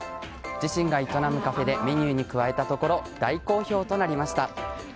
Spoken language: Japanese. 自身が営むカフェでメニューに加えたところ大好評となりました。